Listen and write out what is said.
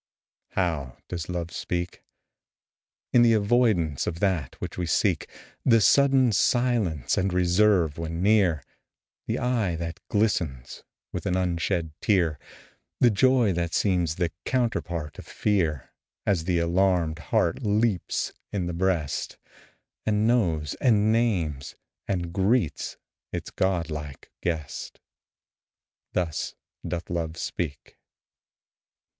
How does Love speak? In the avoidance of that which we seek The sudden silence and reserve when near The eye that glistens with an unshed tear The joy that seems the counterpart of fear, As the alarmed heart leaps in the breast, And knows and names and greets its godlike guest Thus doth Love speak.